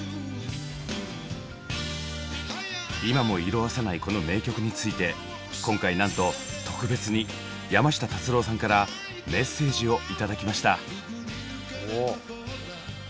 今も色あせないこの名曲について今回なんと特別に山下達郎さんからメッセージをいただきました。